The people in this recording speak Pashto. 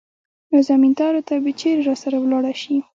نو زمينداورو ته به چېرې راسره ولاړه سي.